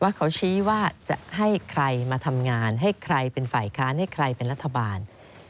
เขาชี้ว่าจะให้ใครมาทำงานให้ใครเป็นฝ่ายค้านให้ใครเป็นรัฐบาล